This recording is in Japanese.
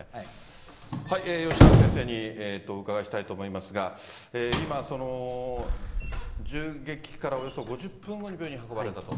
吉永先生にお伺いしたいと思いますが、今、銃撃からおよそ５０分後に病院に運ばれたと。